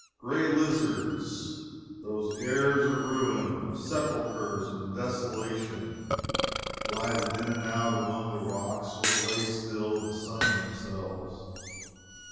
Gray lizards, those heirs of ruin, of sepulchres and desolation, glided in and out among the rocks or lay still and sunned themselves.